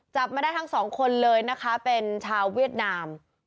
มาได้ทั้งสองคนเลยนะคะเป็นชาวเวียดนาม